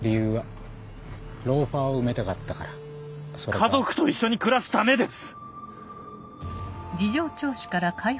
家族と一緒に暮らすためです！